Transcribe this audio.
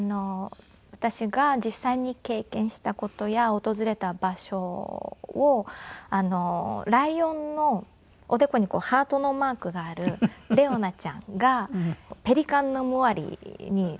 私が実際に経験した事や訪れた場所をライオンのおでこにハートのマークがあるレオナちゃんがペリカンのムワリに連れられて。